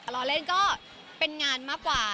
รอเล่นก็เป็นงานมากกว่า